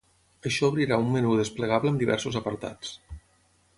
Això obrirà un menú desplegable amb diversos apartats.